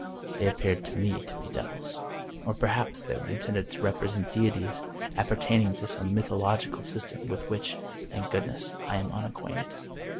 They appeared to me to be devils. Or perhaps they were intended to represent deities appertaining to some mythological system with which, thank goodness, I am unacquainted.